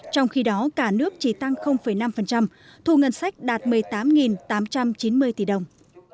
trong khi đó cả nước chỉ tăng năm thu ngân sách đạt một mươi tám tám trăm chín mươi tỷ đồng